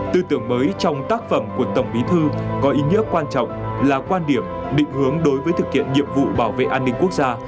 tư tưởng mới trong tác phẩm của tổng bí thư có ý nghĩa quan trọng là quan điểm định hướng đối với thực hiện nhiệm vụ bảo vệ an ninh quốc gia